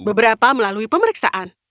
beberapa melalui pemeriksaan